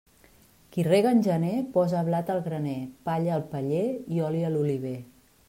Qui rega en gener, posa blat al graner, palla al paller i oli a l'oliver.